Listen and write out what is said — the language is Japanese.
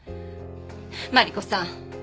マリコさん。